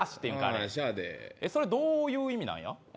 それどういう意味なんや。